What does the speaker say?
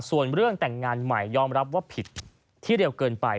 ส่วนเรื่องแต่งงานใหม่ยอมรับว่าผิดที่เร็วเกินไป